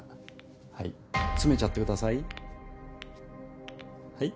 はい詰めちゃってください。